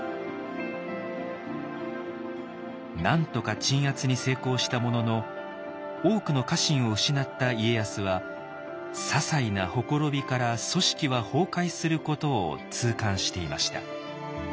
なんとか鎮圧に成功したものの多くの家臣を失った家康はささいなほころびから組織は崩壊することを痛感していました。